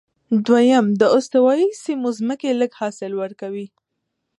دویم، د استوایي سیمو ځمکې لږ حاصل ورکوي.